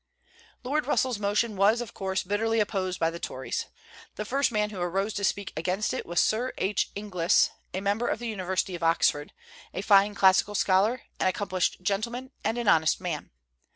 Lord Russell's motion was, of course, bitterly opposed by the Tories. The first man who arose to speak against it was Sir H. Inglis, member of the university of Oxford, a fine classical scholar, an accomplished gentleman, and an honest man.